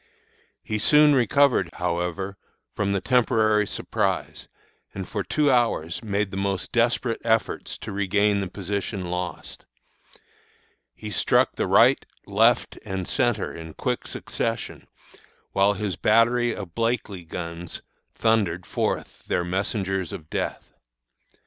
"He soon recovered, however, from the temporary surprise, and for two hours made most desperate efforts to regain the position lost. He struck the right, left, and centre in quick succession, while his battery of Blakely guns thundered forth their messengers of death.